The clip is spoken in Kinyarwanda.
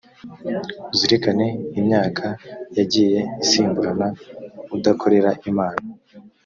uzirikane imyaka yagiye isimburana udakorera imana,